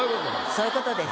そういうことです。